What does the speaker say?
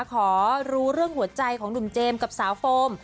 ขอรู้เรื่องหัวใจของหนุ่มเจมส์กับสาวโฟม